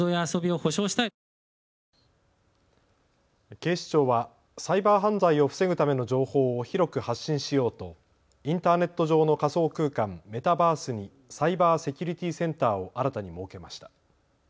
警視庁はサイバー犯罪を防ぐための情報を広く発信しようとインターネット上の仮想空間、メタバースにサイバーセキュリティセンターを新たに設けました。